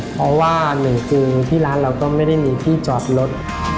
เพราะว่าหนึ่งคืนที่ร้านเราก็ไม่ได้มีที่จอดรถ